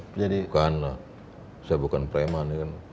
bukan saya bukan preman